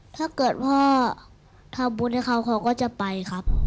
ถ้าเกิดพ่อทำบุญให้เขาเขาก็จะไปครับ